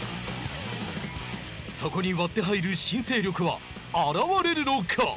そこに割って入る新勢力は現れるのか！？